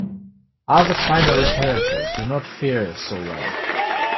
Other primary characters do not fare so well.